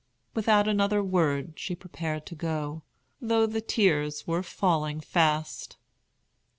Without another word she prepared to go, though the tears were falling fast.